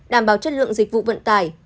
đảm bảo chất lượng dịch vụ vận tải